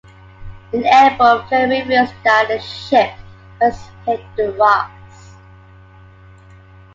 An airborne flare reveals that a ship has hit the rocks.